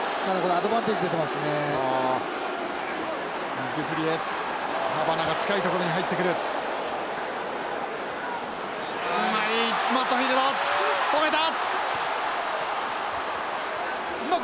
アドバンテージを見ていました。